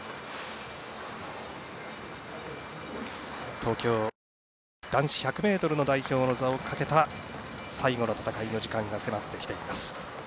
東京オリンピック男子１００ｍの代表の座をかけた最後の戦いの時間が迫ってきています。